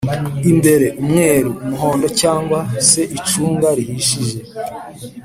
imbere:umweru, Umuhondo cg se icunga rihishije